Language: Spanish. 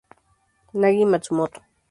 Nagi Matsumoto